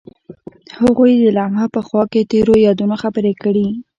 هغوی د لمحه په خوا کې تیرو یادونو خبرې کړې.